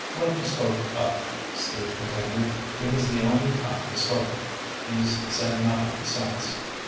"Lefty spoke up," Steve continued. "It was the only time he spoke. He's said nothing since.